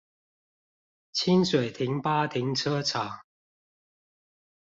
清水停八停車場